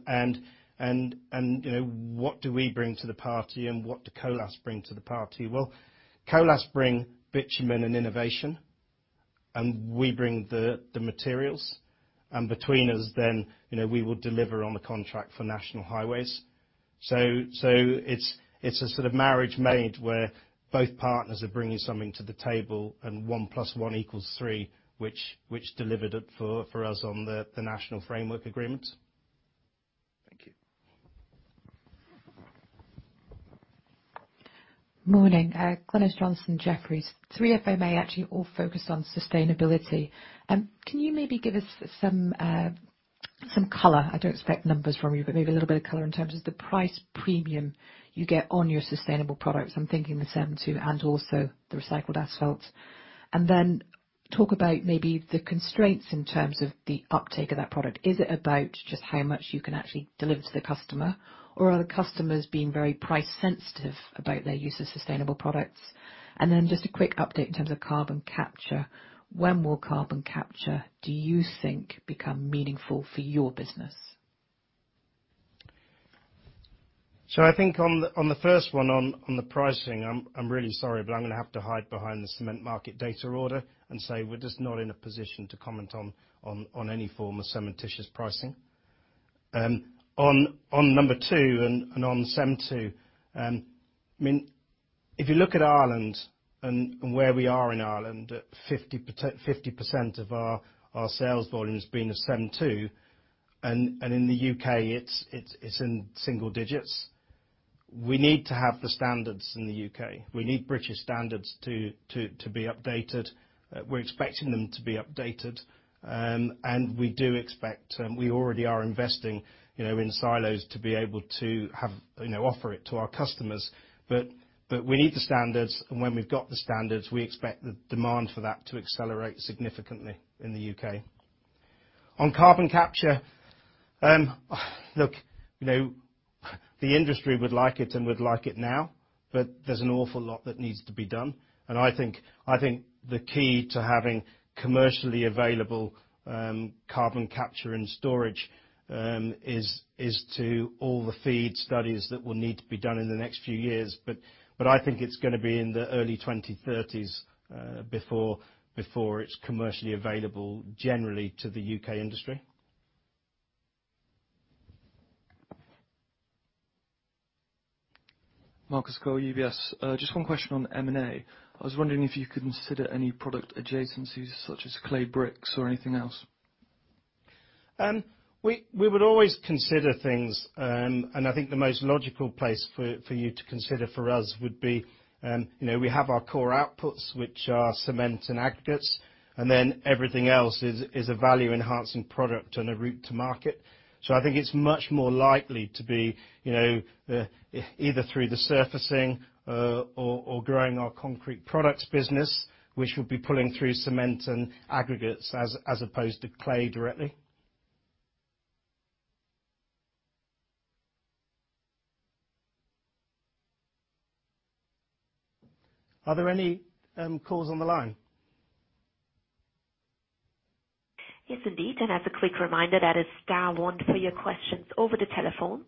know, what do we bring to the party and what do Colas bring to the party? Colas bring bitumen and innovation, and we bring the materials. Between us then, you know, we will deliver on the contract for National Highways. It's a sort of marriage made where both partners are bringing something to the table and 1 + 1 = 3, which delivered it for us on the national framework agreement. Thank you. Morning. Glynis Johnson, Jefferies. Three if I may, actually all focused on sustainability. Can you maybe give us some color? I don't expect numbers from you, but maybe a little bit of color in terms of the price premium you get on your sustainable products. I'm thinking the CEM II and also the recycled asphalt. Talk about maybe the constraints in terms of the uptake of that product. Is it about just how much you can actually deliver to the customer, or are the customers being very price sensitive about their use of sustainable products? Just a quick update in terms of carbon capture. When will carbon capture, do you think, become meaningful for your business? I think on the first one, on the pricing, I'm really sorry, but I'm gonna have to hide behind the cement market data order and say we're just not in a position to comment on any form of cementitious pricing. On number two and on CEM II, If you look at Ireland and where we are in Ireland, at 50% of our sales volume has been of CEM II, and in the U.K. it's in single digits. We need to have the standards in the U.K. We need British standards to be updated. We're expecting them to be updated. We already are investing, you know, in silos to be able to have, you know, offer it to our customers. We need the standards, and when we've got the standards, we expect the demand for that to accelerate significan.tly in the U.K. On carbon capture, look, you know, the industry would like it and would like it now, but there's an awful lot that needs to be done. I think the key to having commercially available carbon capture and storage is to all the FEED studies that will need to be done in the next few years. I think it's gonna be in the early 2030s, before it's commercially available generally to the U.K. industry. Just one question on M&A. I was wondering if you consider any product adjacencies such as clay bricks or anything else? We would always consider things, and I think the most logical place for you to consider for us would be, you know, we have our core outputs, which are cements and aggregates, and then everything else is a value-enhancing product and a route to market. I think it's much more likely to be, you know, either through the surfacing, or growing our concrete products business, which would be pulling through cement and aggregates as opposed to clay directly. Are there any calls on the line? Yes, indeed. As a quick reminder, that is star one for your questions over the telephone.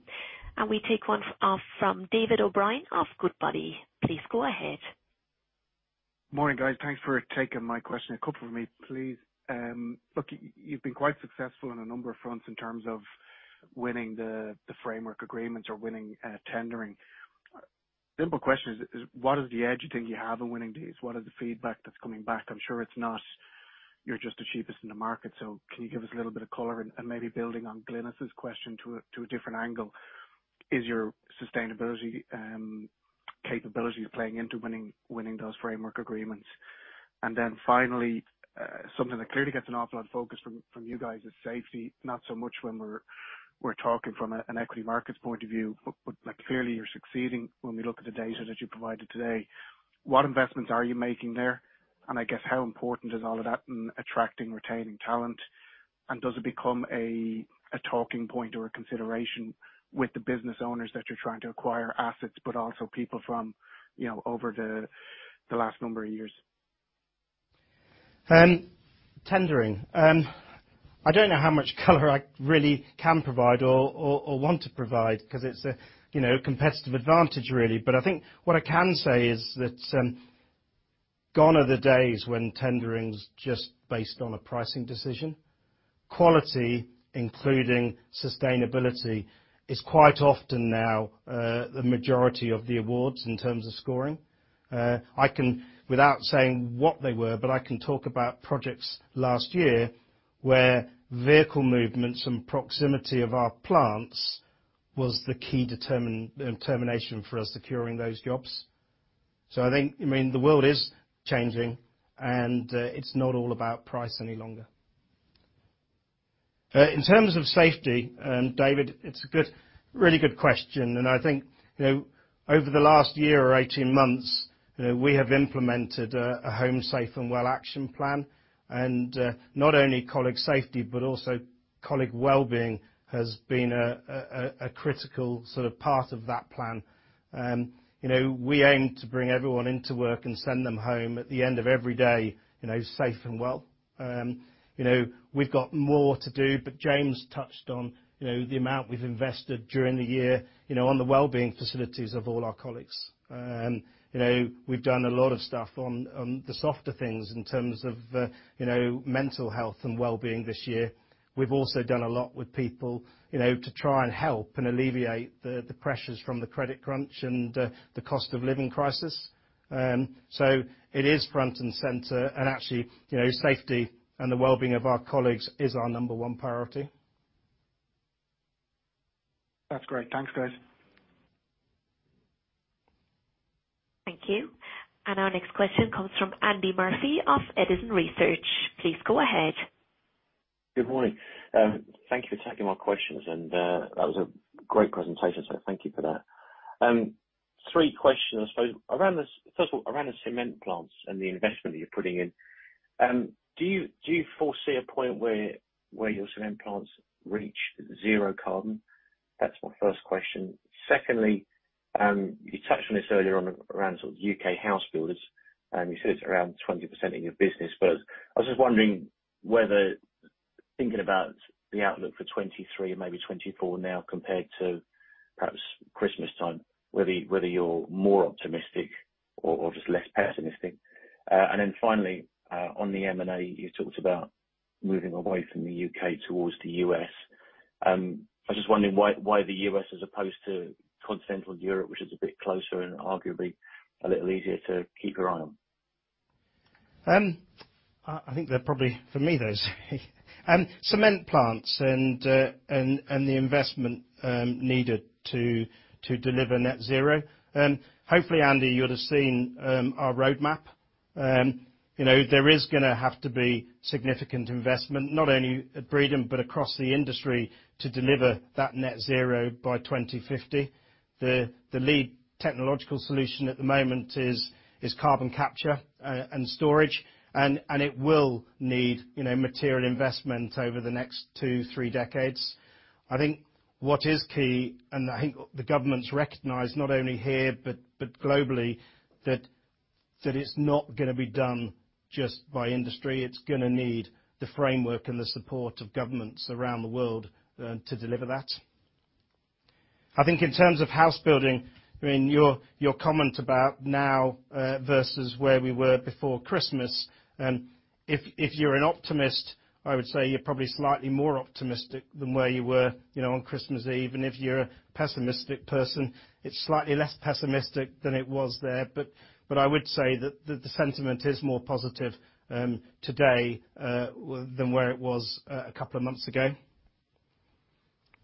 We take one from David O'Brien of Goodbody. Please go ahead. Morning, guys. Thanks for taking my question. A couple from me, please. Look, you've been quite successful on a number of fronts in terms of winning the framework agreements or winning tendering. Simple question is what is the edge you think you have in winning these? What is the feedback that's coming back? I'm sure it's not you're just the cheapest in the market. Can you give us a little bit of color? Maybe building on Glynis' question to a different angle, is your sustainability capability playing into winning those framework agreements? Finally, something that clearly gets an awful lot of focus from you guys is safety. Not so much when we're talking from an equity markets point of view, but like, clearly you're succeeding when we look at the data that you provided today. What investments are you making there? I guess, how important is all of that in attracting, retaining talent? Does it become a talking point or a consideration with the business owners that you're trying to acquire assets, but also people from, you know, over the last number of years? Tendering. I don't know how much color I really can provide or want to provide 'cause it's a, you know, competitive advantage really. I think what I can say is that gone are the days when tendering is just based on a pricing decision. Quality, including sustainability, is quite often now the majority of the awards in terms of scoring. I can, without saying what they were, but I can talk about projects last year where vehicle movements and proximity of our plants was the key determination for us securing those jobs. I think, I mean, the world is changing, and it's not all about price any longer. In terms of safety, David, it's a good, really good question. I think, you know, over the last year or 18 months, we have implemented a Home Safe and Well action plan. Not only colleague safety, but also colleague wellbeing has been a critical sort of part of that plan. You know, we aim to bring everyone into work and send them home at the end of every day, you know, safe and well. You know, we've got more to do, but James touched on, you know, the amount we've invested during the year, you know, on the wellbeing facilities of all our colleagues. You know, we've done a lot of stuff on the softer things in terms of, you know, mental health and wellbeing this year. We've also done a lot with people, you know, to try and help and alleviate the pressures from the credit crunch and the cost of living crisis. It is front and center. Actually, you know, safety and the wellbeing of our colleagues is our number one priority. That's great. Thanks, guys. Thank you. Our next question comes from Andy Murphy of Edison Research. Please go ahead. Good morning. Thank you for taking my questions. That was a great presentation, thank you for that. Three questions, I suppose. First of all, around the cement plants and the investment that you're putting in, do you foresee a point where your cement plants reach zero carbon? That's my first question. Secondly, you touched on this earlier on around sort of U.K. house builders. You said it's around 20% of your business. I was just wondering whether thinking about the outlook for 2023 and maybe 2024 now compared to perhaps Christmas time, whether you're more optimistic or just less pessimistic. Finally, on the M&A, you talked about moving away from the U.K. towards the U.S. I was just wondering why the U.S. as opposed to Continental Europe, which is a bit closer and arguably a little easier to keep your eye on. I think they're probably for me those, cement plants and the investment needed to deliver net zero. Hopefully, Andy, you'd have seen our roadmap. You know, there is gonna have to be significant investment, not only at Breedon but across the industry to deliver that net zero by 2050. The lead technological solution at the moment is carbon capture and storage. It will need, you know, material investment over the next two, three decades. I think what is key, and I think the governments recognize not only here but globally, that it's not gonna be done just by industry. It's gonna need the framework and the support of governments around the world to deliver that. I think in terms of house building, I mean, your comment about now versus where we were before Christmas. If you're an optimist, I would say you're probably slightly more optimistic than where you were, you know, on Christmas Eve. If you're a pessimistic person, it's slightly less pessimistic than it was there. I would say that the sentiment is more positive today than where it was a couple of months ago.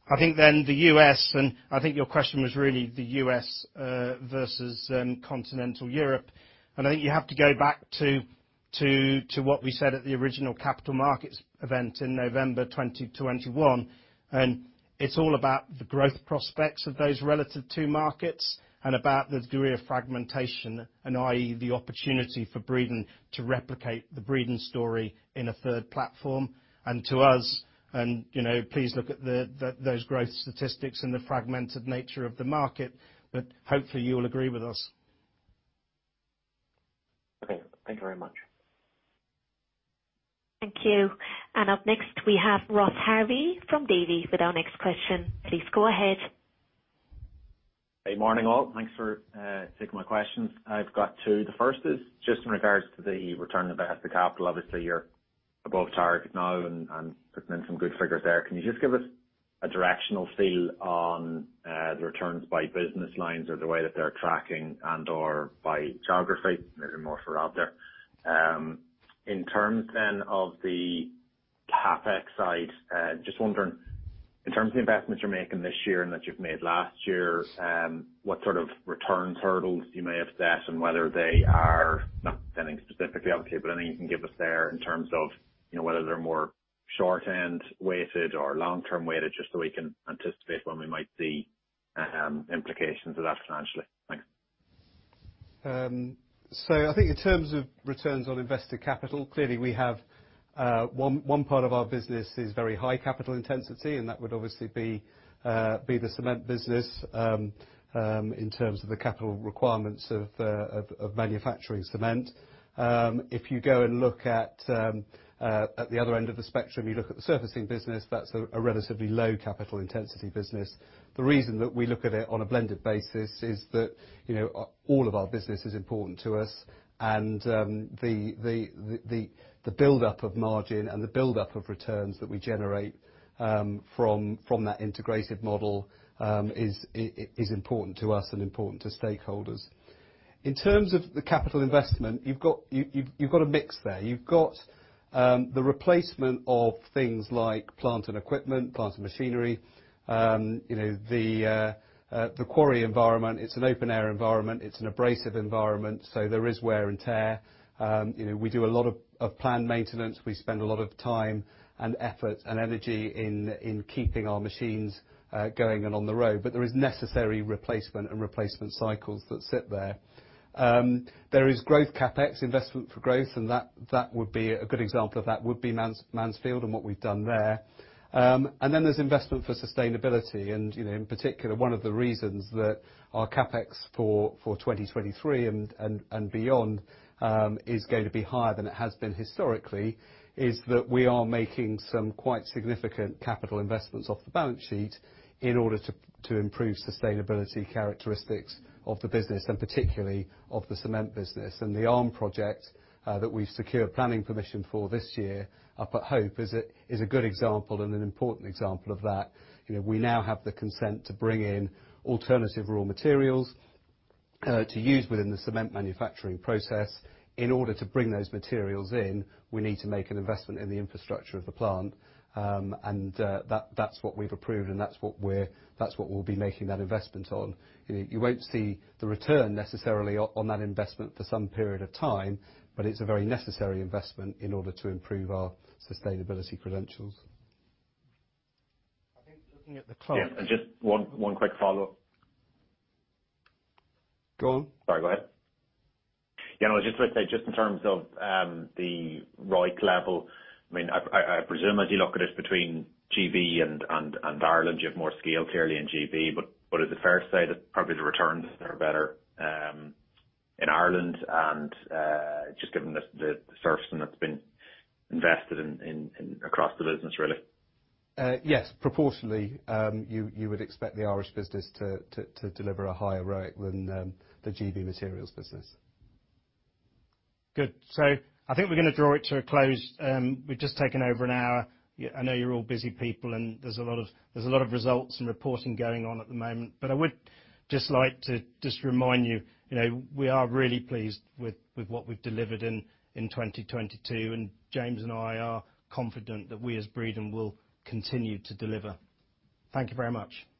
I think then the U.S. I think your question was really the U.S. versus continental Europe. I think you have to go back to what we said at the original capital markets event in November 2021. It's all about the growth prospects of those relative to markets and about the degree of fragmentation and i.e., the opportunity for Breedon to replicate the Breedon story in a third platform. To us and, you know, please look at the, those growth statistics and the fragmented nature of the market, but hopefully you will agree with us. Okay. Thank you very much. Thank you. Up next we have Ross Harvey from Davy with our next question. Please go ahead. Hey, morning all. Thanks for taking my questions. I've got two. The first is just in regards to the return of invested capital. Obviously, you're above target now and putting in some good figures there. Can you just give us a directional feel on the returns by business lines or the way that they're tracking and or by geography? Maybe more for Rob there. In terms then of the CapEx side, just wondering in terms of the investments you're making this year and that you've made last year, what sort of return hurdles you may have set and whether they are not sending specifically, obviously, but anything you can give us there in terms of, you know, whether they're more short-end weighted or long-term weighted, just so we can anticipate when we might see implications of that financially. Thanks. I think in terms of returns on invested capital, clearly we have one part of our business is very high capital intensity, and that would obviously be the cement business in terms of the capital requirements of manufacturing cement. If you go and look at the other end of the spectrum, you look at the surfacing business, that's a relatively low capital intensity business. The reason that we look at it on a blended basis is that, you know, all of our business is important to us and the build-up of margin and the build-up of returns that we generate from that integrated model is important to us and important to stakeholders. In terms of the capital investment, you've got a mix there. You've got the replacement of things like plant and equipment, plant and machinery. You know, the quarry environment, it's an open air environment, it's an abrasive environment, so there is wear and tear. You know, we do a lot of planned maintenance. We spend a lot of time and effort and energy in keeping our machines going and on the road. There is necessary replacement and replacement cycles that sit there. There is growth CapEx, investment for growth, and that would be a good example of that, would be Mansfield and what we've done there. Then there's investment for sustainability and, you know, in particular, one of the reasons that our CapEx for 2023 and beyond is going to be higher than it has been historically, is that we are making some quite significant capital investments off the balance sheet in order to improve sustainability characteristics of the business, and particularly of the cement business. The ARM project that we've secured planning permission for this year up at Hope is a good example and an important example of that. You know, we now have the consent to bring in alternative raw materials to use within the cement manufacturing process. In order to bring those materials in, we need to make an investment in the infrastructure of the plant. That's what we've approved, and that's what we'll be making that investment on. You know, you won't see the return necessarily on that investment for some period of time, but it's a very necessary investment in order to improve our sustainability credentials. I think looking at the clock... Yeah, just one quick follow-up. Go on. Sorry, go ahead. Yeah, no, I was just gonna say, just in terms of the ROIC level, I mean, I presume as you look at it between GB and Ireland, you have more scale clearly in GB, but is it fair to say that probably the returns are better in Ireland and just given the surfacing that's been invested in across the business, really? Yes. Proportionally, you would expect the Irish business to deliver a higher ROIC than the GB Materials business. Good. I think we're gonna draw it to a close. We've just taken over an hour. I know you're all busy people and there's a lot of results and reporting going on at the moment. I would just like to remind you know, we are really pleased with what we've delivered in 2022, and James and I are confident that we as Breedon will continue to deliver. Thank you very much.